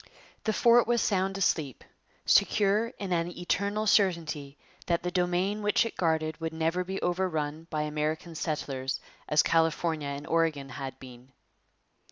The fort was sound asleep, secure in an eternal certainty that the domain which it guarded would never be overrun by American settlers as California and Oregon had been.